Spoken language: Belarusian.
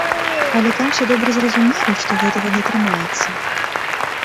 Але там усе добра разумелі, што гэтага не атрымаецца.